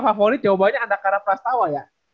favorit jawabannya andakara prastawa ya